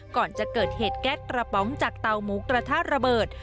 ก่อนจะเกิดเหตุแก๊สกระป๋องจากเตาหมูกระทะระเบิด